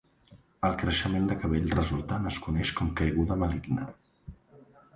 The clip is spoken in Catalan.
El creixement de cabell resultant es coneix com caiguda maligna.